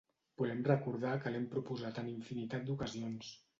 Volem recordar que l’hem proposat en infinitat d’ocasions.